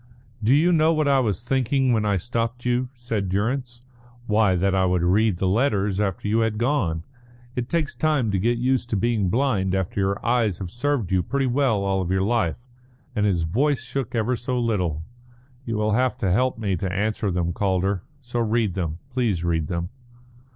"Do you know what I was thinking when I stopped you?" said Durrance. "Why, that I would read the letters after you had gone. It takes time to get used to being blind after your eyes have served you pretty well all your life." And his voice shook ever so little. "You will have to help me to answer them, Calder. So read them. Please read them."